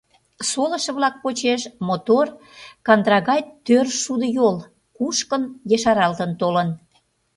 Солышо-влак почеш мотор, кандыра гай тӧр шудыйол кушкын, ешаралтын толын.